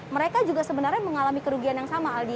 mereka juga sebenarnya mengalami kerugian yang sama aldi